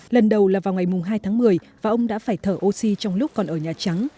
lần đầu là vào ngày hai tháng một mươi và ông đã phải thở oxy trong lúc còn ở nhà trắng